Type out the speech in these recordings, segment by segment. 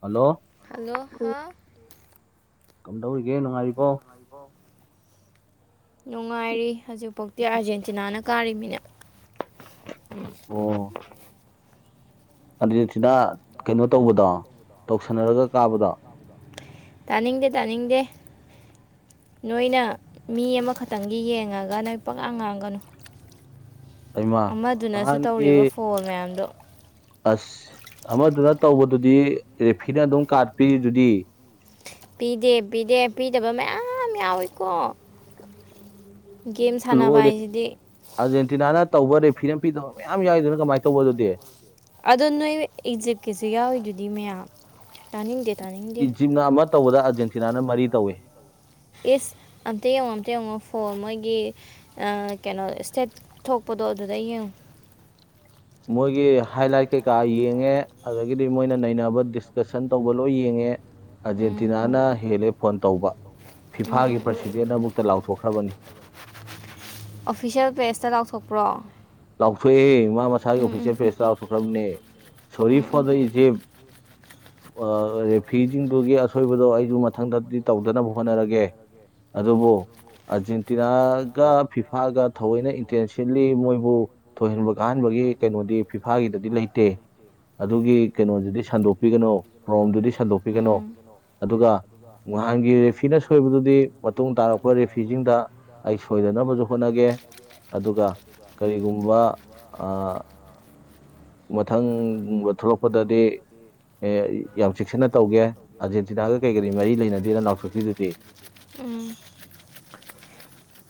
hello hello ꯍꯥꯎ ꯀꯝꯗꯧꯔꯤꯒꯦ ꯅꯨꯡꯉꯥꯏꯔꯤꯕꯣ ꯅꯨꯡꯉꯥꯏꯔꯤ ꯍꯧꯖꯤꯛꯐꯥꯎꯗꯤꯤ ꯑꯥꯔꯖꯦꯟꯇꯤꯅꯥꯅ ꯀꯥꯔꯤꯃꯤꯅꯦ [inaudible] [unintelligible] ꯑꯗꯨꯁꯤꯅ ꯀꯩꯅꯣ ꯇꯧꯕꯗꯣ ꯇꯧꯁꯟꯅꯔꯒ ꯀꯥꯕꯗꯣ ꯇꯥꯅꯤꯡꯗꯦ ꯇꯥꯅꯤꯡꯗꯦ ꯅꯣꯏꯅ ꯃꯤ ꯑꯃꯈꯛꯇꯪꯒꯤ ꯌꯦꯡꯉꯒ ꯅꯣꯏ ꯄꯂꯥ ꯉꯥꯡꯒꯅꯨ ꯑꯩꯃ ꯑꯃꯗꯨꯅꯁꯨ ꯇꯧꯔꯤꯕ ꯅꯍꯥꯟꯒꯤ ꯐꯣꯜ ꯃꯌꯥꯝꯗꯣ ꯑꯁ ꯑꯃꯗꯨꯅ ꯇꯧꯕꯗꯨꯗꯤ ꯔꯦꯐꯤꯅ ꯑꯗꯨꯝ ꯀꯥꯔꯠ ꯄꯤꯔꯤꯗꯨꯗꯤ ꯄꯤꯗꯦ ꯄꯤꯗꯦ ꯄꯤꯗꯕ ꯃꯌꯥꯝ ꯌꯥꯎꯏꯀꯣ ꯒꯦꯝ ꯁꯥꯟꯅꯕ ꯂꯣꯏꯔꯦ ꯍꯥꯏꯁꯤꯗꯤ ꯑꯥꯔꯖꯦꯟꯇꯤꯅꯥꯅ ꯇꯧꯕ ꯔꯦꯐꯤꯅꯥ ꯐꯤꯗꯕ ꯃꯌꯥꯝ ꯌꯥꯎꯏꯗꯨꯅ ꯀꯃꯥꯏ ꯇꯧꯕ ꯑꯗꯨꯗꯤ ꯑꯗꯣ ꯅꯣꯏ ꯏꯖꯤꯞꯀꯤꯁꯨ ꯌꯥꯎꯏꯗꯨꯗꯤ ꯃꯌꯥꯝ ꯇꯥꯅꯤꯡꯗꯦ ꯇꯥꯅꯤꯡ ꯏꯖꯤꯝꯅ ꯑꯃ ꯇꯧꯕꯗ ꯑꯥꯔꯖꯦꯟꯇꯤꯅꯥꯅ ꯃꯔꯤ ꯇꯧꯋꯤ ꯏꯁ ꯑꯝꯇ ꯌꯦꯡꯉꯣ ꯑꯝꯇ ꯌꯦꯡꯉꯣ ꯐꯣꯟ ꯃꯣꯏꯒꯤ ꯑꯥ ꯀꯩꯅꯣ ꯏꯁꯇꯦꯞ ꯊꯣꯛꯄꯗꯣ ꯑꯗꯨꯗ ꯌꯦꯡꯉꯨ ꯃꯣꯏꯒꯤ ꯍꯥꯏꯂꯥꯏꯠ ꯀꯩꯀꯥ ꯌꯦꯡꯉꯦ ꯑꯗ ꯒꯤꯗꯤ ꯃꯣꯏꯅ ꯅꯩꯅꯕ ꯗꯤꯁꯀꯁꯟ ꯇꯧꯕ ꯂꯣꯏ ꯌꯦꯡꯉꯦ ꯎꯝ ꯑꯥꯔꯖꯦꯟꯇꯤꯅꯥꯅ ꯍꯦꯜꯂꯦ ꯐꯣꯟ ꯇꯧꯕ ꯎꯝ ꯐꯤꯐꯥꯒꯤ ꯎꯝ ꯄ꯭ꯔꯁꯤꯗꯦꯟꯅ ꯑꯃꯨꯛꯇ ꯂꯥꯎꯊꯣꯛꯈ꯭ꯔꯕꯅꯤ ꯑꯣꯐꯤꯁꯦꯜ ꯄꯦꯖꯇ ꯂꯥꯎꯊꯣꯛꯄ꯭ꯔꯣ ꯂꯥꯎꯊꯣꯛꯑꯦ ꯃꯥ ꯃꯁꯥꯒꯤ ꯎꯝ ꯑꯣꯐꯤꯁꯦꯜ ꯄꯦꯖꯇꯥ ꯂꯥꯎꯊꯣꯛꯈ꯭ꯔꯕꯅꯦ ꯎꯝ ꯁꯣꯔꯤ ꯐꯣꯔ ꯎꯝ ꯗ ꯏꯖꯤꯞ ꯑꯥ ꯔꯦꯐ꯭ꯤꯁꯤꯡꯗꯨꯒꯤ ꯑꯁꯣꯏꯕꯗꯣ ꯑꯩꯁꯨ ꯃꯊꯪꯗꯗꯤ ꯇꯧꯗꯅꯕ ꯍꯣꯠꯅꯔꯒꯦ ꯑꯗꯨꯕꯨ ꯑꯥꯔꯖꯦꯟꯇꯤꯅꯥꯒ ꯐꯤꯐꯥꯒ ꯊꯑꯣꯏꯅ ꯏꯟꯇꯦꯟꯁꯤꯟꯂꯤ ꯃꯣꯏꯕꯨ ꯊꯣꯏꯅꯕꯨ ꯀꯥꯍꯟꯕꯒꯤ ꯀꯩꯅꯣꯗꯤ ꯐꯤꯐꯥꯒꯤꯗꯨꯗꯤ ꯂꯩꯇꯦ ꯑꯗꯨꯒꯤ ꯀꯩꯅꯣꯗꯨꯗꯤ ꯁꯟꯗꯣꯛꯄꯤꯒꯅꯣ ꯄ꯭ꯔꯣꯝꯗꯨꯗꯤ ꯎꯝ ꯁꯟꯗꯣꯛꯄꯤꯒꯅꯣ ꯎꯝ ꯑꯗꯨꯒ ꯅꯍꯥꯟꯒꯤ ꯔꯦꯐ꯭ꯤꯅ ꯁꯣꯏꯕꯗꯨꯗꯤ ꯃꯇꯨꯡ ꯇꯥꯔꯛꯄ ꯔꯦꯐꯤꯁꯤꯡꯗ ꯑꯩ ꯁꯣꯏꯗꯅꯕꯁꯨ ꯍꯣꯠꯅꯒꯦ ꯑꯗꯨꯒ ꯀꯔꯤꯒꯨꯝꯕ ꯑ ꯃꯊꯪ ꯕ ꯊꯣꯛꯂꯛꯄꯗꯗꯤ ꯑꯦ ꯌꯥꯝ ꯆꯦꯛꯁꯤꯟꯅ ꯇꯧꯒꯦ ꯑꯥꯔꯖꯦꯟꯇꯤꯅꯥꯒ ꯀꯩ ꯀꯔꯤ ꯃꯔꯤ ꯂꯩꯅꯗꯦꯅ ꯅꯥꯎꯊꯣꯛꯄꯤꯗꯨꯗꯤ ꯎꯝ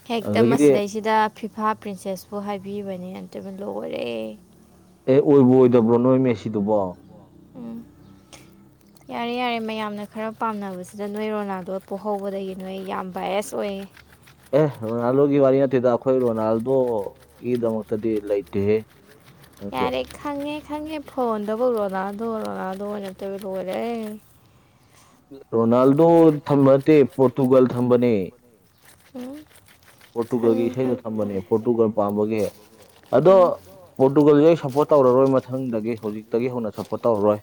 ꯍꯦꯛꯇ ꯑꯗꯨꯗꯒꯤꯗꯤ ꯑꯦ ꯃꯁꯤꯗꯩꯁꯤꯗ ꯐꯤꯐꯥ ꯄ꯭ꯔꯤꯟꯁꯦꯁꯄꯨ ꯍꯥꯏꯕꯤꯕꯅꯦ ꯑꯪꯇꯕꯨ ꯂꯣꯏꯔꯦ ꯑꯦ ꯑꯣꯏꯕꯨ ꯑꯣꯏꯗꯕ꯭ꯔꯣ ꯅꯣꯏ ꯃꯦꯁꯤꯗꯨꯕꯣ ꯎꯝ ꯌꯥꯔꯦ ꯌꯥꯔꯦ ꯃꯌꯥꯝꯅ ꯈꯔ ꯄꯥꯝꯅꯕꯁꯤꯗ ꯅꯣꯏ ꯔꯣꯅꯥꯜꯗꯣ ꯄꯣꯍꯧꯕꯗꯒꯤ ꯅꯣꯏ ꯌꯥꯝ ꯕꯥꯑꯦꯁ ꯑꯣꯏꯌꯦ ꯑꯦ ꯔꯣꯅꯥꯜꯗꯣꯒꯤ ꯋꯥꯔꯤ ꯅꯠꯇꯦꯗ ꯑꯩꯈꯣꯏ ꯔꯣꯅꯥꯜꯗꯣ ꯒꯤꯗꯃꯛꯇꯗꯤ ꯂꯩꯇꯦꯍꯦ ꯌꯥꯔꯦ ꯈꯪꯉꯦ ꯈꯪꯉꯦ ꯐꯣꯟꯗꯕꯨ ꯔꯣꯅꯥꯟꯗꯣ ꯔꯣꯅꯥꯟꯗꯣ ꯉꯥꯛꯇꯕꯨ ꯂꯣꯏꯔꯦꯍꯦ ꯔꯣꯅꯥꯜꯗꯣ ꯊꯝꯕ ꯅꯠꯇꯦ ꯄꯣꯔꯇꯨꯒꯜ ꯊꯝꯕꯅꯦ ꯎꯝ ꯄꯣꯔꯇꯨꯒꯜꯒꯤ ꯈꯪꯉꯦ ꯏꯁꯩꯗꯨ ꯈꯪꯉꯦ ꯊꯝꯕꯅꯦ ꯄꯣꯔꯇꯨꯒꯜ ꯄꯥꯝꯕꯒꯤ ꯑꯗꯣ ꯎꯝ ꯄꯣꯔꯇꯨꯒꯜꯒꯩ ꯁꯞꯄꯣꯔꯠ ꯇꯧꯔꯔꯣꯏ ꯃꯊꯪꯗꯒꯤ ꯍꯧꯖꯤꯛꯇꯒꯤ ꯍꯧꯅ ꯁꯞꯄꯣꯔꯠ ꯇꯧꯔꯔꯣꯏ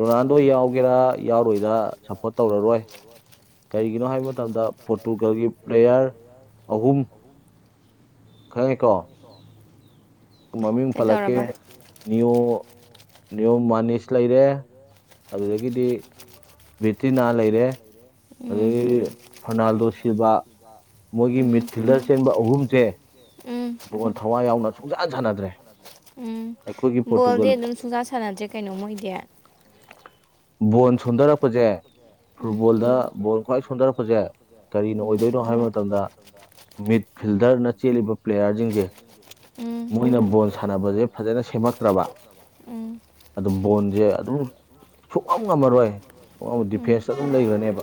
ꯔꯣꯅꯥꯟꯗꯣ ꯌꯥꯎꯒꯦꯔꯥ ꯌꯥꯎꯔꯣꯏꯔꯥ ꯁꯞꯄꯣꯔꯠ ꯇꯧꯔꯔꯣꯏ ꯀꯩꯒꯤꯅꯣ ꯍꯥꯏꯕ ꯃꯇꯝꯗ ꯄꯣꯔꯇꯨꯒꯜꯒꯤ ꯄ꯭ꯂꯦꯌꯔ ꯑꯍꯨꯝ ꯈꯪꯉꯦꯀꯣ ꯃꯃꯤꯡ ꯄꯜꯂꯛꯀꯦ ꯀꯩꯗꯧꯔꯕ ꯅꯤꯌꯣ ꯅꯤꯌꯣꯝ ꯃꯅꯤꯁ ꯂꯩꯔꯦ ꯑꯗꯨꯗꯒꯤꯗꯤ ꯕꯤꯇꯤꯅꯥ ꯂꯩꯔꯦ ꯎꯝ ꯑꯗꯒꯤ ꯐꯔꯅꯥꯜꯗꯣ ꯁꯤꯜꯕ ꯃꯣꯏꯒꯤ ꯎꯝ ꯃꯤꯗꯐꯤꯜꯗꯔ ꯆꯦꯟꯕ ꯑꯍꯨꯝꯁꯦ ꯎꯝ ꯕꯣꯟ ꯊꯋꯥꯏ ꯌꯥꯎꯅ ꯁꯨꯡꯁꯥꯟ ꯁꯥꯟꯅꯗ꯭ꯔꯦ ꯎꯝ ꯑꯩꯈꯣꯏꯒꯤ ꯕꯣꯜꯗꯤ ꯄꯣꯔꯇꯨꯒꯜ ꯑꯗꯨꯝ ꯁꯨꯡꯁꯥ ꯁꯥꯟꯅꯗ꯭ꯔꯦ ꯀꯩꯅꯣ ꯃꯣꯏꯗꯤ ꯕꯣꯟ ꯁꯣꯟꯊꯔꯛꯄꯁꯦ ꯎꯝ ꯔꯨꯕꯣꯜꯗ ꯕꯣꯜ ꯈ꯭ꯋꯥꯏ ꯁꯣꯟꯊꯔꯛꯄꯁꯦ ꯀꯔꯤꯅꯣ ꯎꯝ ꯑꯣꯏꯗꯣꯏꯅꯣ ꯍꯥꯏꯕ ꯃꯇꯝꯗ ꯃꯤꯠ ꯐꯤꯜꯗꯔꯅ ꯆꯦꯜꯂꯤꯕ ꯄ꯭ꯂꯦꯌꯥꯔꯁꯤꯡꯁꯦ ꯎꯝ ꯃꯣꯏꯅ ꯕꯣꯜ ꯁꯥꯟꯅꯕꯁꯦ ꯐꯖꯅ ꯁꯦꯝꯃꯛꯇ꯭ꯔꯕ ꯎꯝ ꯑꯗꯨꯝ ꯕꯣꯟꯁꯦ ꯑꯗꯨꯝ ꯁꯨꯡꯉꯝ ꯉꯝꯃꯔꯣꯏ ꯑꯧ ꯎꯝ ꯗꯤꯐꯦꯟꯁꯇ ꯑꯗꯨꯝ ꯂꯩꯒꯔꯅꯦꯕ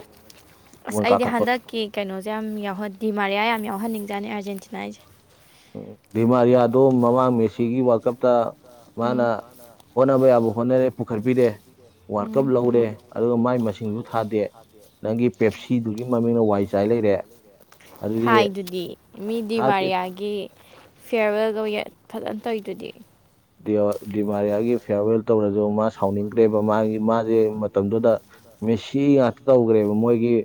ꯑꯁ ꯑꯩꯗꯤ ꯍꯟꯗꯛꯀꯤ ꯀꯩꯅꯣꯁꯦ ꯌꯥꯝ ꯌꯥꯎꯍꯟ ꯗꯤꯃꯥꯔꯤꯌꯥ ꯌꯥꯝ ꯌꯥꯎꯍꯟꯅꯤꯡꯖꯥꯅꯤ ꯑꯔꯖꯦꯟꯇꯤꯅꯥꯏꯁꯦ ꯗꯤꯃꯥꯔꯤꯌꯥꯗꯣ ꯃꯃꯥꯡ ꯃꯦꯁꯤꯒꯤ ꯋꯥꯜꯀꯞꯇ ꯃꯥꯅ ꯎꯝ ꯍꯣꯠꯅꯕ ꯌꯥꯕ ꯍꯣꯠꯅꯔꯦ ꯄꯨꯈꯠꯄꯤꯔꯦ ꯋꯥꯟ ꯀꯞ ꯎꯝ ꯂꯧꯔꯦ ꯑꯗꯨꯒ ꯃꯥꯏ ꯃꯁꯤꯡꯁꯨ ꯊꯥꯗꯦ ꯅꯪꯒꯤ ꯄꯦꯞꯁꯤꯗꯨꯒꯤ ꯃꯃꯤꯡꯅ ꯋꯥꯏ ꯆꯥꯏ ꯂꯩꯔꯦ ꯑꯗꯨꯗꯤ ꯊꯥꯏꯗꯨꯗꯤ ꯃꯤ ꯊꯥꯗꯦ ꯗꯤꯋꯥꯔꯤꯌꯥꯒꯤ ꯐꯤꯌꯥꯔꯋꯦꯜꯒ ꯐꯖꯅ ꯇꯧꯗꯨꯗꯤ ꯗꯤꯃꯥ ꯗꯤꯃꯥꯔꯤꯌꯥꯒꯤ ꯐꯤꯌꯔꯋꯦꯜ ꯇꯧꯔꯁꯨ ꯃꯥ ꯁꯥꯎꯅꯤꯡꯈ꯭ꯔꯦꯕ ꯃꯥꯒꯤ ꯃꯥꯖꯦ ꯃꯇꯝꯗꯨꯗ ꯃꯦꯁꯤ ꯉꯥꯛꯇ ꯇꯧꯈ꯭ꯔꯦꯕ ꯃꯣꯏꯒꯤ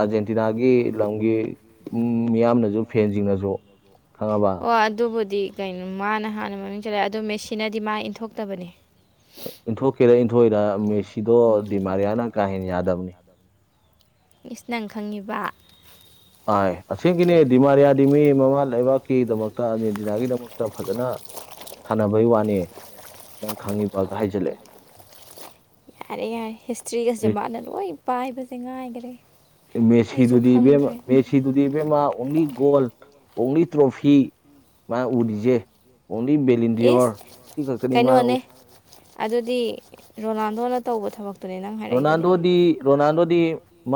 ꯑꯥꯔꯖꯦꯟꯇꯤꯅꯥꯒꯤ ꯂꯝꯒꯤ ꯃꯤꯌꯥꯝꯅꯁꯨ ꯐꯦꯟꯁꯤꯡꯅꯁꯨ ꯈꯪꯉꯕ ꯍꯣ ꯑꯗꯨꯕꯨꯗꯤ ꯀꯩꯅꯣ ꯃꯥꯅ ꯍꯥꯟꯅ ꯃꯃꯤꯡ ꯆꯠꯂꯛꯦ ꯑꯗꯨ ꯃꯦꯁꯤꯟꯅꯗꯤ ꯃꯥ ꯏꯟꯊꯣꯛꯇꯕꯅꯦ ꯏꯟꯊꯣꯛꯀꯦꯔ ꯏꯟꯊꯣꯛꯏꯔ ꯃꯦꯁꯤꯗꯣ ꯎꯝ ꯗꯤꯃꯥꯔꯤꯌꯥꯅ ꯀꯥꯍꯦꯟ ꯌꯥꯗꯕꯅꯤ ꯏꯁ ꯅꯪ ꯈꯪꯉꯤꯕ ꯑ ꯑꯁꯦꯡꯒꯤꯅꯦ ꯗꯤꯃꯥꯔꯤꯌꯥꯗꯤ ꯃꯤ ꯃꯃꯥ ꯂꯩꯕꯥꯛꯀꯤꯗꯃꯛꯇ ꯑꯥꯔꯖꯦꯟꯇꯤꯅꯥꯒꯤꯗꯃꯛꯇ ꯐꯖꯅ ꯁꯥꯟꯅꯕꯩ ꯋꯥꯅꯦ ꯅꯪ ꯈꯪꯉꯕꯒ ꯍꯥꯏꯖꯜꯂꯑꯦ ꯌꯥꯔꯦ ꯌꯥꯔꯦ ꯍꯤꯁꯇ꯭ꯔꯤꯒꯁꯦ ꯃꯥꯅ ꯂꯣꯏ ꯄꯥꯏꯕꯁꯦ ꯉꯥꯏꯈꯔꯦ ꯑꯩꯁꯨ ꯃꯦꯁꯤꯗꯨꯔꯤ ꯈꯪꯗ꯭ꯔꯦ ꯃꯦ ꯁꯤꯗꯨꯗꯤ ꯏꯕꯦꯝꯃꯥ ꯑꯣꯡꯂꯤ ꯒꯣꯜ ꯑꯣꯡꯂꯤ ꯇ꯭ꯔꯣꯐꯤ ꯃꯥ ꯎꯔꯤꯁꯦ ꯑꯣꯡꯂꯤ ꯕꯦꯂꯤꯟꯗꯤꯌꯣꯔ ꯏꯁ ꯁꯤ ꯈꯛꯇꯅꯤ ꯃꯥꯅ ꯀꯩꯅꯣꯅꯦ ꯑꯗꯨꯗꯤ ꯔꯣꯅꯥꯜꯗꯣꯅ ꯇꯧꯕ ꯊꯕꯛꯇ ꯔꯣꯅꯥꯜꯗꯣꯗꯤ ꯔꯣꯅꯥꯜꯗꯣꯗꯤ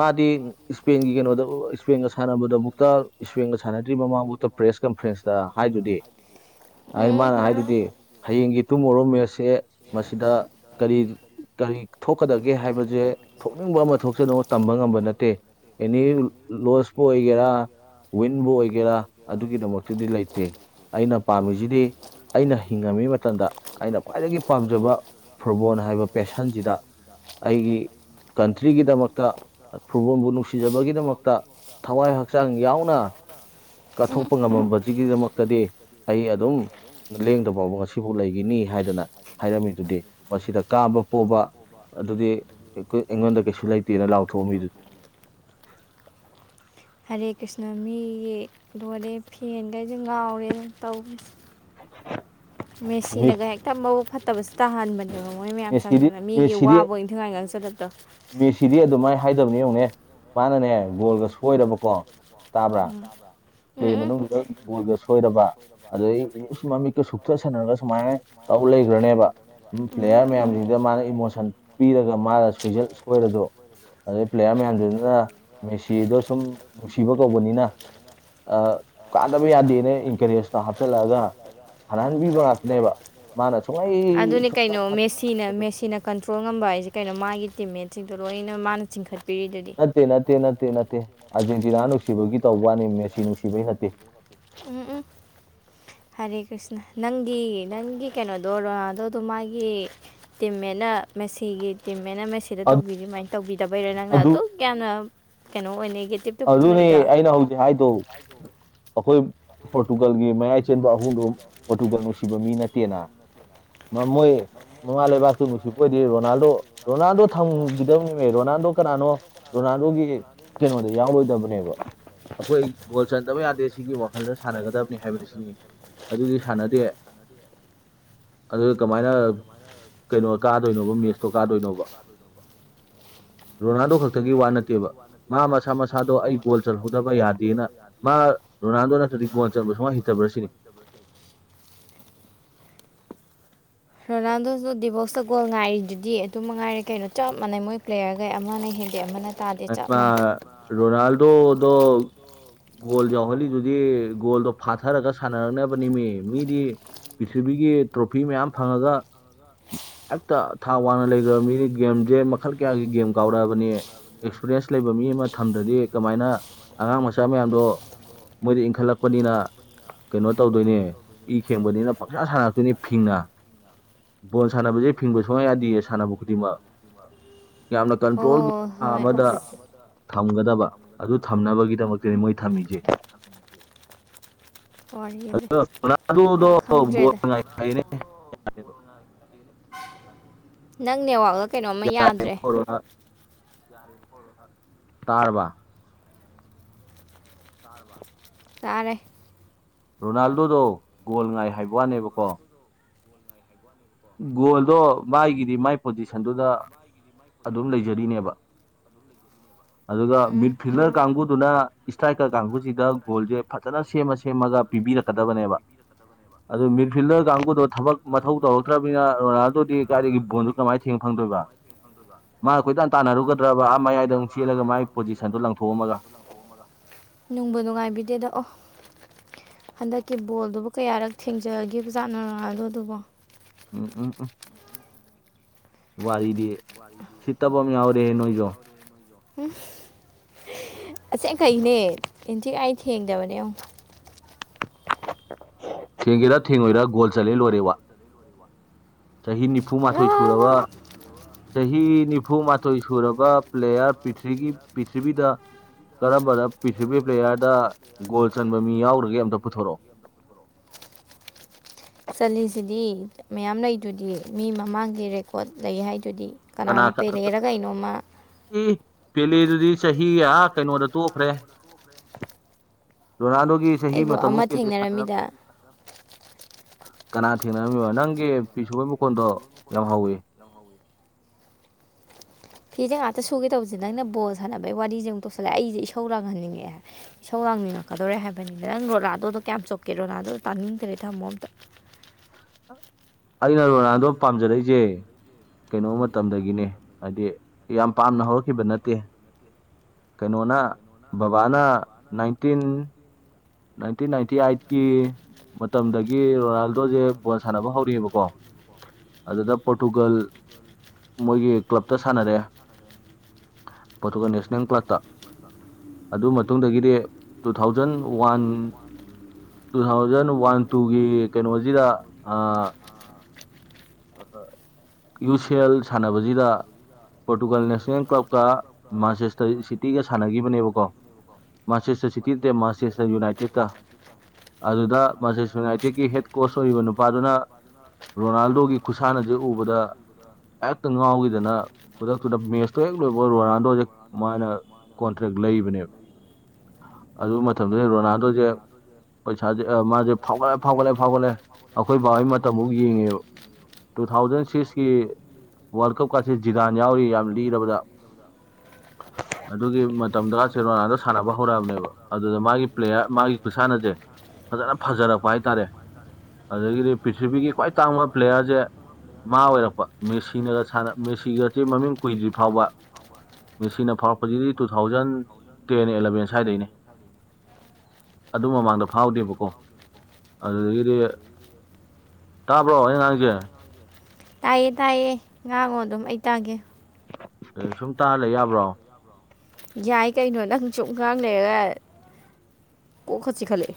ꯃꯥꯗꯤ ꯏꯁꯄꯦꯟꯒꯤ ꯀꯩꯅꯣꯗꯕꯨ ꯏꯁꯄꯦꯟꯒ ꯁꯥꯟꯅꯕꯗꯕꯨꯛꯇ ꯏꯁꯄꯦꯟꯒ ꯁꯥꯟꯅꯗ꯭ꯔꯤꯕ ꯃꯃꯥꯕꯨꯛꯇ ꯄ꯭ꯔꯦꯁ ꯀꯟꯐ꯭ꯔꯦꯟꯁꯇ ꯍꯥꯏꯗꯨꯗꯤ ꯍꯥꯏ ꯎꯝ ꯃꯥꯅ ꯍꯥꯏꯗꯨꯗꯤ ꯍꯌꯦꯡꯒꯤ ꯇꯨꯝꯃꯔꯣ ꯃꯦꯠꯁꯦ ꯃꯁꯤꯗ ꯀꯔꯤ ꯀꯔꯤ ꯊꯣꯛꯀꯗꯒꯦ ꯍꯥꯏꯕꯁꯦ ꯊꯣꯛꯅꯤꯡꯕ ꯑꯃ ꯊꯣꯛꯁꯤꯅꯨ ꯇꯝꯕ ꯉꯝꯕ ꯅꯠꯇꯦ ꯑꯦꯅꯤ ꯂꯣꯁꯄ ꯑꯣꯏꯒꯦꯔ ꯋꯤꯟꯕꯨ ꯑꯣꯏꯒꯦꯔꯥ ꯑꯗꯨꯒꯤꯗꯃꯛꯇꯗꯤ ꯂꯩꯇꯦ ꯑꯩꯅ ꯄꯥꯝꯃꯤꯁꯤꯗꯤ ꯑꯩꯅ ꯍꯤꯡꯉꯝꯃꯤ ꯃꯇꯝꯗ ꯑꯩꯅ ꯈ꯭ꯋꯥꯏꯗꯒꯤ ꯄꯥꯝꯖꯕ ꯐꯨꯠꯕꯣꯜ ꯍꯥꯏꯕ ꯄꯦꯁꯟꯁꯤꯗ ꯑꯩꯒꯤ ꯀꯟꯇ꯭ꯔꯤꯒꯤꯗꯃꯛꯇ ꯐꯨꯠꯕꯣꯜꯕꯨ ꯅꯨꯡꯁꯤꯖꯕꯒꯤꯗꯃꯛꯇ ꯊꯋꯥꯏ ꯍꯛꯆꯥꯡ ꯌꯥꯎꯅ ꯎꯝ ꯀꯠꯊꯣꯛꯄ ꯉꯝꯃꯕꯁꯤꯒꯤꯗꯃꯛꯇꯗꯤ ꯑꯩ ꯑꯗꯨꯝ ꯂꯦꯡꯗꯕ ꯐꯥꯎꯕ ꯉꯁꯤꯐꯥꯎ ꯂꯩꯈꯤꯅꯤ ꯍꯥꯏꯗꯅ ꯍꯥꯏꯔꯝꯃꯤꯗꯨꯗꯤ ꯃꯁꯤꯗ ꯀꯥꯕ ꯄꯣꯕ ꯑꯗꯨꯗꯤ ꯑꯩꯉꯣꯟꯗ ꯀꯩꯁꯨ ꯂꯩꯇꯦꯅ ꯂꯥꯎꯊꯣꯛꯑꯣ ꯃꯤꯗꯨꯗꯤ ꯍꯔꯦ ꯀ꯭ꯔꯤꯁꯅ ꯃꯤꯒꯤ ꯂꯣꯔꯦ ꯐꯦꯟꯈꯩꯁꯦ ꯉꯥꯎꯔꯦꯅ ꯇꯧꯕꯁ ꯃꯦꯁꯤꯟꯅꯒ ꯍꯦꯛꯇ ꯃꯎ ꯐꯠꯇꯕꯁꯨ ꯇꯥꯍꯟꯕꯅꯤ ꯑꯗꯨꯒ ꯃꯣꯏ ꯃꯌꯥꯝ ꯃꯦꯁꯤꯗꯤ ꯆꯪꯁꯤꯅ ꯃꯤꯒꯤ ꯃꯦꯁꯤꯗꯤ ꯋꯥꯕ ꯏꯟꯊꯤꯉꯥꯏ ꯉꯥꯡ ꯆꯂꯠꯇꯣ ꯃꯦꯁꯤꯗꯤ ꯑꯗꯨꯃꯥꯏꯅ ꯍꯥꯏꯗꯕꯅꯦ ꯌꯦꯧꯅꯦ ꯃꯥꯅꯅꯦ ꯒꯣꯜꯒ ꯁꯣꯏꯔꯕꯀꯣ ꯇꯥꯕ꯭ꯔꯥ ꯇꯥꯕꯔꯥ ꯄ꯭ꯂꯦ ꯃꯅꯨꯡꯁꯤꯗꯨꯗ ꯕꯣꯜꯒ ꯁꯣꯏꯔꯕ ꯑꯗꯩ ꯃꯃꯤꯠꯀ ꯁꯨꯊ ꯁꯟꯅꯔꯒ ꯁꯨꯃꯥꯏꯅ ꯇꯧ ꯂꯩꯈ꯭ꯔꯅꯦꯕ ꯎ ꯎꯝ ꯄ꯭ꯂꯦꯌꯥꯔ ꯃꯌꯥꯝꯁꯤꯡꯗ ꯃꯥꯅ ꯏꯃꯣꯁꯟ ꯄꯤꯔꯒ ꯃꯥꯅꯣꯏ ꯁꯣꯏꯔꯁꯨ ꯑꯗꯩ ꯄ꯭ꯂꯦꯌꯥꯔ ꯃꯌꯥꯝꯁꯤꯅ ꯃꯦꯁꯤꯗꯣ ꯁꯨꯝ ꯅꯨꯡꯁꯤꯕ ꯀꯧꯕꯅꯤꯅ ꯀꯥꯟꯗꯕ ꯌꯥꯗꯦꯅ ꯏꯟꯀꯔꯦꯖꯇꯣ ꯍꯥꯞꯆꯤꯜꯂꯛꯑꯒ ꯁꯥꯟꯅꯍꯟꯕꯤꯕ ꯉꯥꯛꯇꯅꯦꯕ ꯃꯥꯅ ꯁꯨꯝꯉꯥꯏ ꯁꯨꯡ ꯁꯤꯅ ꯃꯦꯁꯤꯟꯅ ꯀꯟꯇ꯭ꯔꯣꯜ ꯉꯝꯕ ꯍꯥꯏꯁꯦ ꯀꯩꯅꯣ ꯃꯥꯒꯤ ꯇꯤꯝꯃꯦꯠꯁꯤꯡꯗꯣ ꯂꯣꯏꯅ ꯃꯥꯅ ꯆꯤꯡꯈꯠꯄꯤꯔꯤꯗꯨꯗꯤ ꯅꯠꯇꯦ ꯅꯠꯇꯦ ꯅꯠꯇꯦ ꯅꯠꯇꯦ ꯑꯥꯔꯖꯦꯟꯇꯤꯅꯥ ꯅꯨꯡꯁꯤꯕꯒꯤ ꯇꯧꯕ ꯋꯥꯅꯤ ꯃꯦꯁꯤ ꯅꯨꯡꯁꯤꯕꯒꯤ ꯅꯠꯇꯦ ꯎꯝ ꯎꯝ ꯍꯔꯦ ꯀ꯭ꯔꯤꯁꯅ ꯅꯪꯒꯤ ꯅꯪꯒꯤ ꯀꯩꯅꯣꯗꯣ ꯔꯣꯅꯥꯗꯣꯗꯣ ꯃꯥꯒꯤ ꯇꯤꯃꯦꯂ ꯃꯦꯁꯤꯒꯤ ꯇꯤꯃꯦ ꯃꯁꯤ ꯁꯤꯗ ꯇꯧꯕꯤꯔꯤ ꯁꯃꯥꯏꯅ ꯇꯧꯕꯤꯗꯕꯩꯔꯣ ꯅꯪꯅ ꯑꯗꯨ ꯑꯗꯨꯛ ꯌꯥꯝꯅ ꯀꯩꯅꯣ ꯑꯣꯏ ꯅꯦꯒꯦꯇꯤꯞ ꯑꯗꯨꯅꯦ ꯑꯩꯅ ꯍꯧꯖꯤꯛ ꯍꯥꯏꯗꯣ ꯑꯩꯈꯣꯏ ꯄꯣꯔꯇꯨꯒꯜꯒꯤ ꯃꯌꯥꯏ ꯆꯦꯟꯕ ꯑꯍꯨꯝꯗꯨꯣ ꯄꯣꯔꯇꯨꯒꯜ ꯅꯨꯡꯁꯤꯕ ꯃꯤ ꯅꯠꯇꯦꯅ ꯃꯃꯣꯏꯣꯏ ꯃꯃꯥ ꯂꯩꯕꯥꯛꯇꯨ ꯅꯨꯡꯁꯤꯄ ꯑꯣꯏꯗꯤ ꯔꯣꯅꯥꯜꯗꯣ ꯔꯣꯅꯥꯜꯗꯣ ꯊꯝꯈꯤꯗꯕꯅꯤꯃꯦ ꯔꯣꯅꯥꯜꯗꯣ ꯀꯅꯥꯅꯣ ꯔꯣꯅꯥꯜꯗꯣꯒꯤ ꯀꯩꯅꯋꯥꯗ ꯌꯥꯎꯔꯣꯏꯗꯕꯅꯦꯕ ꯑꯩꯈꯣꯏ ꯒꯣꯜ ꯆꯟꯗꯕ ꯌꯥꯗꯦ ꯁꯤꯒꯤ ꯋꯥꯈꯜꯗ ꯁꯥꯟꯅꯒꯗꯕꯅꯤ ꯍꯥꯏꯕꯅꯤ ꯁꯤꯅꯤ ꯑꯗꯨꯗꯤ ꯁꯥꯟꯅꯗꯦ ꯑꯗꯨ ꯀꯃꯥꯏꯅ ꯀꯩꯅꯣ ꯀꯥꯗꯣꯏꯅꯣꯕ ꯃꯦꯁꯇꯣ ꯀꯥꯗꯣꯏꯅꯣꯕ ꯔꯣꯅꯥꯜꯗꯣ ꯈꯛꯇꯒꯤ ꯋꯥ ꯅꯠꯇꯦꯕ ꯃꯥ ꯃꯁꯥ ꯃꯁꯥ ꯃꯥꯗꯣ ꯑꯩ ꯒꯣꯜ ꯆꯜꯍꯧꯗꯕ ꯌꯥꯗꯦꯅ ꯃꯥ ꯔꯣꯅꯥꯜꯗꯣ ꯅꯠꯇ꯭ꯔꯗꯤ ꯒꯣꯜ ꯆꯟꯕ ꯁꯨꯃꯥꯏꯅ ꯍꯩꯇꯕ꯭ꯔꯥ ꯁꯤꯅꯤ ꯔꯣꯅꯥꯜꯗꯣꯁꯨ ꯗꯤꯕꯣꯛꯁꯇ ꯒꯣꯜ ꯉꯥꯏꯔꯤꯗꯨꯗꯤ ꯑꯗꯨ ꯃꯉꯥꯏꯔꯦ ꯀꯩꯅꯣ ꯆꯞ ꯃꯥꯟꯅꯩ ꯃꯣꯏ ꯄ꯭ꯂꯦꯌꯔꯈꯩ ꯑꯃꯅ ꯍꯦꯟꯗꯤ ꯑꯃꯅ ꯇꯥꯗꯦ ꯑ ꯆꯞ ꯃꯥ ꯃꯥꯟꯅꯩ ꯔꯣꯅꯥꯜꯗꯣꯗꯣ ꯒꯣꯜ ꯌꯥꯎꯍꯜꯂꯤꯗꯨꯗꯤ ꯒꯣꯜꯗꯣ ꯐꯥꯊꯔꯒ ꯁꯥꯟꯅꯔꯛꯅꯕꯅꯤꯃꯤ ꯃꯤꯗꯤ ꯄꯤꯔꯤꯊꯤꯕꯤꯒꯤ ꯇ꯭ꯔꯣꯐꯤ ꯃꯌꯥꯝ ꯐꯪꯉꯒ ꯍꯦꯛꯇ ꯊꯥꯛ ꯋꯥꯡꯅ ꯂꯩꯈ꯭ꯔꯕ ꯃꯤꯗꯤ ꯒꯦꯝꯁꯦ ꯃꯈꯜ ꯀꯌꯥꯒꯤ ꯒꯦꯝ ꯀꯥꯎꯔꯛꯑꯕꯅꯤ ꯑꯦꯛꯁꯄꯔꯤꯌꯦꯦꯟꯁ ꯂꯩꯕ ꯃꯤ ꯑꯃ ꯊꯝꯗ꯭ꯔꯗꯤ ꯀꯃꯥꯏꯅ ꯑꯉꯥꯡ ꯃꯆꯥ ꯃꯌꯥꯝꯗꯣ ꯃꯣꯏꯗ ꯏꯪꯈꯠꯂꯛꯄꯅꯤꯅ ꯀꯩꯅꯣ ꯇꯧꯗꯣꯏꯅꯦ ꯏ ꯈꯦꯡꯕꯅꯤꯅ ꯄꯪꯁꯥ ꯁꯥꯟꯔꯛꯇꯣꯏꯅꯦ ꯐꯤꯡꯉ ꯕꯣꯜ ꯁꯥꯟꯅꯕꯁꯦ ꯐꯤꯡꯕ ꯁꯨꯡꯉ ꯌꯥꯗꯦ ꯁꯥꯟꯅꯕ ꯈꯨꯗꯤꯡꯃꯛ ꯌꯥꯝꯅ ꯀꯟꯇ꯭ꯔꯣꯜ ꯍꯣꯏ ꯥ ꯍꯣꯏ ꯑꯃꯗ ꯑꯁ ꯊꯝꯒꯗꯕ ꯑꯗꯨ ꯊꯝꯅꯕꯒꯤꯗꯃꯛꯇꯗꯤ ꯃꯣꯏ ꯊꯝꯃꯤꯁꯦ ꯋꯥꯔꯤꯁꯦ ꯍꯜꯅꯥ ꯑꯗꯨꯗꯣꯣ ꯈꯪꯗ꯭ꯔꯦꯗ ꯉ ꯅꯪ ꯅꯦꯋꯥꯥꯛꯒ ꯀꯩꯅꯣꯝꯃ ꯌꯥꯗ꯭ꯔꯦ ꯇꯥꯔꯕꯥ ꯇꯥꯔꯕ ꯇꯥꯔꯦ ꯔꯣꯅꯥꯜꯗꯣꯗꯣ ꯒꯣꯜ ꯉꯥꯏ ꯍꯥꯏꯕ ꯋꯥꯅꯦꯕꯀꯣ ꯒꯣꯜꯗꯣ ꯃꯥꯒꯤꯗꯤ ꯃꯥꯏ ꯄꯣꯖꯤꯁꯟꯗꯨꯗ ꯑꯗꯨꯝ ꯂꯩꯖꯔꯤꯅꯦꯕ [unintelligible] ꯑꯗꯨꯒ ꯎꯝ ꯃꯤꯗ ꯐꯤꯜꯗꯔ ꯀꯥꯡꯕꯨꯗꯨꯅ ꯏꯁꯇ꯭ꯔꯥꯏꯀꯔ ꯀꯥꯡꯕꯨꯁꯤꯒ ꯒꯣꯜꯖꯦ ꯐꯖꯅ ꯁꯦꯝꯃ ꯁꯦꯝꯃꯒ ꯄꯤꯕꯤꯔꯛꯀꯗꯕꯅꯦꯕ ꯑꯗꯨ ꯃꯤꯗꯐꯤꯜꯗꯔ ꯀꯥꯡꯕꯨꯗꯣ ꯊꯕꯛ ꯃꯊꯧ ꯇꯧꯔ ꯇ꯭ꯔꯕꯅꯤꯅ ꯔꯣꯅꯥꯜꯗꯣꯗꯤ ꯀꯔꯥꯏꯗꯒꯤ ꯕꯣꯟꯗꯨ ꯀꯃꯥꯏ ꯊꯦꯡ ꯐꯪꯗꯣꯏꯕ ꯃꯥ ꯀꯣꯏꯇꯥꯟ ꯇꯥꯟꯅꯔꯨꯒꯗ꯭ꯔꯕ ꯑ ꯃꯌꯥꯏꯗ ꯑꯃꯛ ꯆꯦꯜꯂꯒ ꯃꯥꯥꯏꯒꯤ ꯄꯣꯖꯤꯁꯟꯗꯣ ꯂꯪꯊꯣꯛꯑꯝꯃꯒ ꯂꯪꯊꯣꯛꯑꯝꯃꯒ ꯅꯨꯡꯕꯨ ꯅꯨꯡꯉꯥꯏꯕꯤꯗꯦꯗ ꯑꯣ ꯍꯟꯗꯛꯀꯤ ꯕꯣꯜꯗꯨꯕꯨ ꯀꯌꯥꯔꯛ ꯊꯦꯡꯖꯒꯤꯕꯖꯥꯠꯅꯣ ꯔꯣꯅꯥꯜꯗꯣꯗꯨꯕꯣ ꯎꯝ ꯎꯝ ꯎꯝ ꯋꯥꯔꯤꯗꯤ ꯎꯁꯤꯠꯇꯕꯃ ꯌꯥꯎꯔꯦ ꯅꯣꯏꯖꯨ ꯑꯁꯦꯡꯈꯩꯅꯦ ꯇꯨꯌꯦꯟꯇꯤ ꯑꯥꯏꯇ ꯊꯦꯡꯗꯕꯅꯦ ꯌꯦꯡꯉꯨ ꯊꯦꯡꯒꯦꯔ ꯊꯦꯡꯉꯣꯏꯔꯥ ꯒꯣꯜ ꯆꯜꯂꯦ ꯂꯣꯏꯔꯦ ꯋꯥ ꯆꯍꯤ ꯅꯤꯐꯨ ꯃꯥꯥꯊꯣꯏ ꯁꯨꯔꯕ ꯑꯥ ꯆꯍꯤ ꯅꯤꯐꯨ ꯃꯥꯊꯣꯏ ꯁꯨꯔꯕ ꯄ꯭ꯂꯦꯌꯥꯔ ꯄ꯭ꯔꯤꯒꯤ ꯄ꯭ꯔꯤꯊꯤꯕꯤꯗ ꯀꯔꯝꯕꯅ ꯄ꯭ꯔꯤꯊꯤꯔꯤꯕꯤ ꯄ꯭ꯂꯦꯌꯥꯔꯗ ꯒꯣꯜ ꯆꯟꯕ ꯃꯤ ꯌꯥꯎꯒ꯭ꯔꯒꯦ ꯑꯝꯇ ꯄꯨꯊꯣꯔꯛꯑꯣ ꯆꯜꯂꯤꯁꯤꯗꯤ ꯃꯌꯥꯝ ꯂꯩꯗꯨꯗꯤ ꯃꯤ ꯃꯃꯥꯡꯒꯤ ꯔꯦꯀꯣꯔꯠ ꯂꯩ ꯍꯥꯏꯗꯨꯗꯤ ꯀꯅꯥꯅꯣ ꯄꯦꯂꯦꯔ ꯀꯩꯅꯣꯝꯃ ꯎꯝ ꯄꯦꯂꯦꯗꯨꯗꯤ ꯆꯍꯤ ꯑ ꯀꯩꯅꯣꯗ ꯇꯣꯛꯈ꯭ꯔꯦ ꯔꯣꯅꯥꯜꯗꯣꯒꯤ ꯆꯍꯤ ꯑꯩꯕꯨ ꯃꯇꯕꯧ ꯑꯃ ꯄꯦꯂꯦ ꯁꯥꯟꯅꯔꯝ ꯊꯦꯡꯅꯔꯝꯃꯤꯗ ꯀꯅꯥ ꯊꯦꯡꯅꯔꯝꯃꯤꯕ ꯅꯪꯒꯤ ꯐꯤꯁꯨꯕꯒꯤ ꯃꯈꯣꯟꯗꯣ ꯌꯥꯝ ꯍꯧꯋꯤ ꯐꯤꯖꯦ ꯉꯥꯛꯇ ꯁꯨꯒꯦ ꯇꯧꯕꯁꯦ ꯅꯪꯅ ꯕꯣꯜ ꯁꯥꯟꯅꯕꯒꯤ ꯋꯥꯔꯤꯖꯦ ꯑꯃꯨꯛ ꯄꯨꯁꯜꯂꯛꯑꯦ ꯑꯩꯖꯦ ꯏꯁꯧꯂꯦꯡꯍꯟꯅꯤꯡꯉꯛ ꯑꯦ ꯏꯁꯧ ꯂꯥꯡꯅꯤꯡꯉꯛꯀꯗꯧꯔꯦ ꯍꯥꯏꯕꯅꯤꯗ ꯅꯪ ꯔꯣꯅꯥꯥꯜꯗꯨꯣꯗ ꯀꯌꯥꯝ ꯆꯣꯞꯀꯦ ꯔꯣꯂꯅꯥꯗꯣ ꯇꯥꯅꯤꯡꯗ꯭ꯔꯦ ꯊꯝꯃꯣ ꯑꯝꯇ ꯑꯩꯅ ꯔꯣꯅꯥꯗꯣ ꯄꯥꯝꯖꯔꯛꯏꯖꯦ ꯀꯩꯅꯣ ꯃꯇꯝꯗꯒꯤꯅꯦ ꯍꯥꯏꯗꯤ ꯌꯥꯝ ꯄꯥꯝꯅ ꯍꯧꯔꯛꯈꯤꯕ ꯅꯠꯇꯦ ꯀꯩꯅꯣꯅ ꯕꯕꯥꯅ ꯅꯥꯏꯟꯇꯤꯟ ꯅꯥꯏꯟꯇꯤꯟ ꯅꯥꯏꯟꯇꯤ ꯑꯥꯏꯠ ꯀꯤ ꯃꯇꯝꯗꯒꯤ ꯔꯣꯅꯥꯜꯗꯣꯖꯦ ꯕꯣꯜ ꯁꯥꯟꯅꯕ ꯍꯧꯔꯛꯑꯦꯕꯀꯣ ꯑꯗꯨꯗ ꯄꯣꯔꯇꯨꯒꯜ ꯃꯣꯏꯒꯤ ꯀ꯭ꯂꯞꯇ ꯁꯥꯟꯅꯔꯦ ꯄꯣꯔꯇꯨꯒꯜ ꯅꯦꯁꯅꯦꯜ ꯀ꯭ꯂꯞꯇ ꯑꯗꯨ ꯃꯇꯨꯡꯗꯒꯤꯗꯤ two thousand one two thousand one ꯇꯨꯒꯤ ꯀꯩꯅꯣꯖꯤꯗ ꯑꯥ ꯌꯨ ꯁꯤ ꯑꯦꯜ ꯁꯥꯟꯅꯕꯁꯡꯖꯤꯗ ꯄꯣꯔꯇꯨꯒꯜ ꯅꯦꯁꯅꯦꯜ ꯀ꯭ꯂꯞꯀ ꯃꯥꯟꯆꯦꯁꯇꯔ ꯏ ꯁꯤꯇꯤꯒ ꯁꯥꯟꯅꯒꯤꯕꯅꯦꯕꯀꯣ ꯃꯥꯟꯆꯦꯁꯇꯔ ꯁꯤꯇꯤ ꯅꯠꯇꯦ ꯃꯥꯟꯆꯦꯁꯇꯔ ꯌꯨꯅꯥꯏꯇꯦꯠ ꯀꯥ ꯑꯗꯨꯗ ꯃꯥꯟꯆꯦꯁꯇꯔ ꯁꯨꯅꯥꯏꯇꯦꯠꯀꯤ ꯍꯦꯠ ꯀꯣꯁ ꯑꯣꯏꯔꯤꯕ ꯅꯨꯄꯥꯗꯨꯅ ꯔꯣꯅꯥꯜꯗꯣꯒꯤ ꯈꯨꯁꯥꯟꯅꯖꯦ ꯎꯕꯗ ꯍꯦꯛꯇ ꯉꯥꯎꯒꯤꯗꯅ ꯈꯨꯗꯛꯇꯨꯗ ꯃꯦꯁꯇꯣ ꯍꯦꯛ ꯂꯣꯏꯕ ꯔꯣꯅꯥꯜꯗꯣꯖꯦ ꯃꯥꯅ ꯀꯣꯟꯇ꯭ꯔꯦꯛ ꯂꯩꯕꯅꯦꯕ ꯑꯗꯨ ꯃꯇꯝꯗꯨꯗ ꯔꯣꯅꯥꯜꯗꯣꯖꯦ ꯄꯩꯁꯥꯖꯦ ꯑ ꯃꯥꯖꯦ ꯐꯥꯎꯒꯠꯂꯦ ꯐꯥꯎꯒꯠꯂꯦ ꯐꯥꯎꯒꯠꯂꯦ ꯑꯩꯈꯣꯏ ꯕꯥꯍꯣꯏ ꯃꯇꯝꯕꯧ ꯌꯦꯡꯉꯤꯕ ꯇꯨ ꯊꯥꯎꯖꯟ ꯁꯤꯛꯁꯀꯤ ꯋꯥꯔꯜ ꯀꯞꯀꯥꯁꯦ ꯖꯤꯗꯥꯟ ꯌꯥꯎꯔꯤ ꯌꯥꯝ ꯂꯤꯔꯕꯔꯕꯗ [unintelligible] ꯑꯗꯨꯒꯤ ꯃꯇꯝꯗ ꯁꯦꯔꯣꯅꯥꯜꯗꯣ ꯁꯥꯟꯅꯕ ꯍꯧꯔꯛꯑꯕꯅꯦꯕ ꯑꯗꯨꯗ ꯃꯥꯒꯤ ꯄ꯭ꯂꯦꯌꯥꯔ ꯃꯥꯒꯤ ꯈꯨꯠꯁꯥꯟꯅꯖꯦ ꯐꯖꯅ ꯐꯖꯔꯛꯄ ꯍꯥꯏꯇꯥꯔꯦ ꯑꯗꯒꯤꯗꯤ ꯄ꯭ꯔꯤꯊꯤꯕꯤꯒꯤ ꯈ꯭ꯋꯥꯏ ꯇꯥꯡꯕ ꯄ꯭ꯂꯦꯌꯥꯔꯖꯦ ꯃꯥ ꯑꯣꯏꯔꯛꯄ ꯃꯦꯁꯤꯅꯒ ꯁꯥꯟꯅ ꯃꯦꯁꯤꯒꯁꯤ ꯃꯃꯤꯡ ꯀꯨꯏꯗ꯭ꯔꯤ ꯐꯥꯎꯕ ꯃꯦꯁꯤꯅ ꯐꯥꯎꯔꯛꯄꯁꯤꯗꯤ ꯇꯨ ꯊꯥꯎꯖꯟ ꯇꯦꯟ ꯑꯦꯂꯕꯦꯟ ꯁ꯭ꯋꯥꯏꯗꯒꯤꯅꯤ ꯑꯗꯨ ꯃꯃꯥꯡꯗ ꯐꯥꯎꯗꯦꯕꯀꯣ ꯑꯗꯨꯗꯒꯤꯗꯤ ꯇꯥꯕ꯭ꯔꯣ ꯑꯩ ꯉꯥꯡꯉꯤꯖꯦ ꯇꯥꯏꯌꯦ ꯇꯥꯏꯌꯦ ꯉꯥꯡꯉꯣ ꯑꯗꯨꯝ ꯑꯩ ꯇꯥꯒꯦ ꯀꯩꯅꯣ ꯁꯨꯝ ꯇꯥ ꯂꯩ ꯌꯥꯕ꯭ꯔꯣ ꯌꯥꯏ ꯀꯩꯅꯣ ꯅꯪ ꯁꯨꯝ ꯉꯥꯡ ꯂꯩꯔꯒ ꯀꯣꯛꯀ ꯆꯤꯈꯠꯂꯛꯑꯦ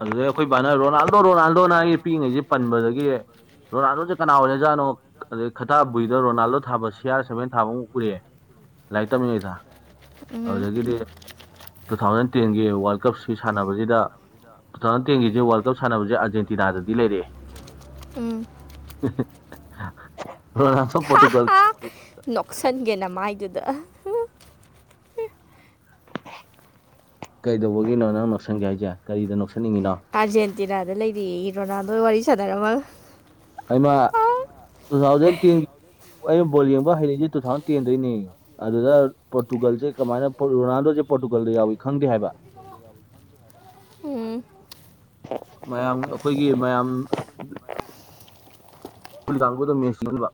ꯑꯗꯨꯗꯩ ꯑꯩꯈꯣꯏ ꯕꯥꯅ ꯔꯣꯅꯥꯜꯗꯣ ꯔꯣꯅꯥꯜꯗꯣꯅ ꯑꯩ ꯄꯤꯛꯏꯉꯩꯗꯩ ꯄꯟꯕꯗꯒꯤ ꯔꯥꯅꯥꯜꯗꯣꯖꯦ ꯀꯅꯥ ꯑꯣꯏꯔꯖꯥꯠꯅꯣ ꯑꯗꯩ ꯈꯇꯥ ꯕꯨꯏꯗ ꯔꯣꯅꯥꯜꯗꯣ ꯊꯥꯕ ꯁꯤ ꯑꯥꯔ ꯁꯚꯦꯟ ꯊꯥꯕ ꯑꯃꯨꯛ ꯄꯨꯔꯑꯦ ꯂꯥꯏꯔꯤꯛ ꯇꯝꯃꯤꯉꯩꯗ ꯎꯝ ꯑꯗꯨꯗꯒꯤꯗꯤ ꯇꯨ ꯊꯥꯎꯖꯟ ꯇꯦꯟꯒꯤ ꯋꯥꯔꯜ ꯀꯞꯁꯤ ꯁꯥꯟꯅꯕꯁꯤꯗ ꯇꯨ ꯊꯥꯎꯖꯟ ꯇꯦꯟꯒꯤꯖꯦ ꯋꯥꯔꯜ ꯀꯞ ꯁꯥꯟꯅꯕꯁꯦ ꯑꯔꯖꯦꯟꯇꯤꯅꯥꯗꯗꯤ ꯂꯩꯔꯑꯦ ꯎꯝ ꯔꯣꯅꯥꯜꯗꫭ ꯍꯥ ꯄꯇꯨꯒꯜ ꯍꯥ ꯅꯣꯛꯁꯟꯒꯦꯅ ꯃꯥꯏꯗꯨꯗ ꯀꯩꯗꯧꯕꯒꯤꯅꯣ ꯅꯪ ꯅ ꯅꫭꯛꯁꯟꯒꯦ ꯍꯥꯏꯖꯦ ꯀꯔꯤꯗ ꯅꫭꯛꯁꯟꯅꯤꯡꯉꯤꯅꯣ ꯑꯥꯔꯖꯦꯟꯇꯤꯅꯥꯗ ꯂꯩꯔꯦꯌꯦ ꯔꯣꯅꯥꯜꯗꯣ ꯋꯥꯔꯤ ꯁꯥꯥꯟꯅꯔꯝꯒꯥ ꯑꯩꯃ ꯇꯨ ꯊꯥꯎꯖꯟ ꯇꯦꯟꯒꯤ ꯑꯩꯅ ꯕꯣꯜ ꯌꯦꯡꯕ ꯍꯩꯔꯛꯏꯖꯦ ꯇꯨ ꯊꯥꯎꯖꯟ ꯇꯦꯟꯗꯅꯤ ꯑꯗꯨꯗ ꯄꯣꯔꯇꯨꯒꯜꯁꯦ ꯀꯃꯥꯏꯅ ꯔꯣꯅꯥꯜꯗꯣꯁꯦ ꯄꯣꯔꯇꯨꯒꯜꯗ ꯌꯥꯎꯋꯤ ꯈꯪꯗꯦ ꯍꯥꯏꯕ ꯝ [unintelligible] ꯎꯝ ꯃꯌꯥꯝ ꯑꯩꯈꯣꯏꯒꯤ ꯃꯌꯥꯝ [unintelligible] ꯡ [unintelligible]